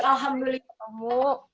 baik alhamdulillah ketemu